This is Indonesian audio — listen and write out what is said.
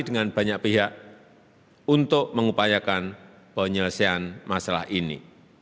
dengan banyak pihak untuk mengupayakan penyelesaian masalah ini